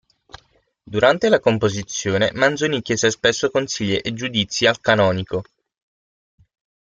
Durante la composizione Manzoni chiese spesso consigli e giudizi al canonico.